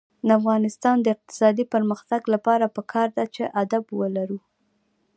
د افغانستان د اقتصادي پرمختګ لپاره پکار ده چې ادب ولرو.